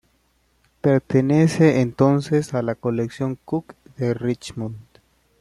Pertenece entonces a la colección Cook de Richmond.